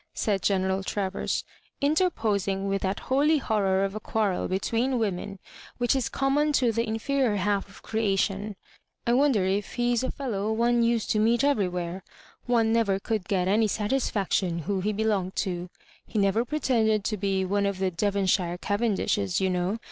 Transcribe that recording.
'* said General Travers, mterposing with that holy lior tor of a quarrel between women which is com mon to the inferior half of creation. I wonder if he is a fellow one used to meet eveiywhere. One never could get any satisfaction who he be longed ta He never pretended to be one of the Devonshire Cavendishes, you know.